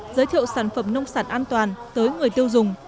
giới thiệu sản phẩm nông sản an toàn tới người tiêu dùng